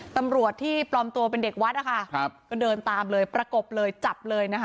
ตำรวจที่ปลอมตัวเป็นเด็กวัดนะคะครับก็เดินตามเลยประกบเลยจับเลยนะคะ